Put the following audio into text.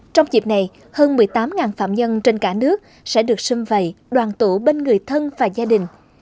trong dịp này hơn một mươi tám phạm nhân trên cả nước sẽ được xâm vầy đoàn tụ bên người thân và gia đình